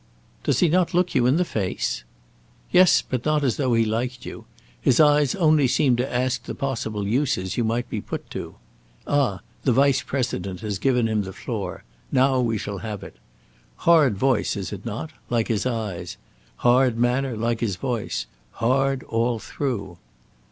"Does he not look you in the face?" "Yes; but not as though he liked you. His eyes only seem to ask the possible uses you might be put to. Ah, the vice president has given him the floor; now we shall have it. Hard voice, is it not? like his eyes. Hard manner, like his voice. Hard all through."